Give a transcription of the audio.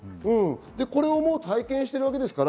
これを体験しているわけですから。